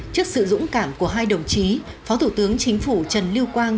trước sự dũng cảm của hai đồng chí phó thủ tướng chính phủ trần lưu quang